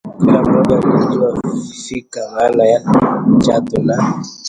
Kila mmoja alijua fika maana ya chatu na